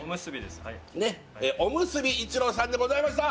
はいおむすび一路さんでございました